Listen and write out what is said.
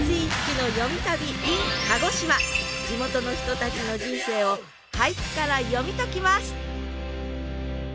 地元の人たちの人生を俳句から読み解きます！